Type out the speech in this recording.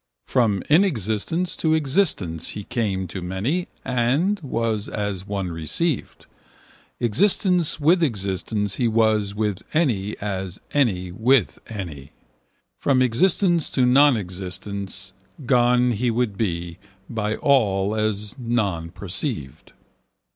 From inexistence to existence he came to many and was as one received: existence with existence he was with any as any with any: from existence to nonexistence gone he would be by all as none perceived.